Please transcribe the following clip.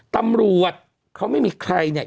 ตำรวจเขาไม่มีใครเนี่ย